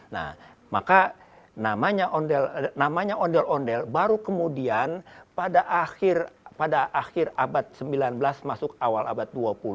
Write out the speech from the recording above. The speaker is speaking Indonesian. nah maka namanya ondel ondel baru kemudian pada akhir abad sembilan belas masuk awal abad dua puluh